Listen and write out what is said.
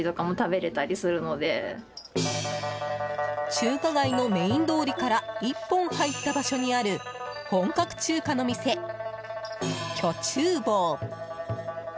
中華街のメイン通りから１本入った場所にある本格中華の店、許厨房。